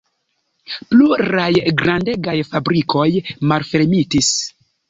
Pluraj grandegaj fabrikoj malfermitis.